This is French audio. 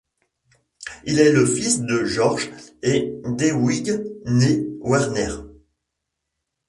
Il est le fils de Georg et d’Hedwig née Werner.